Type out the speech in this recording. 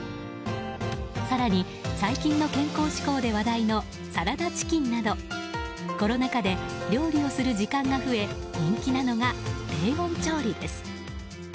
更に最近の健康志向で話題のサラダチキンなどコロナ禍で料理をする時間が増え人気なのが低温調理です。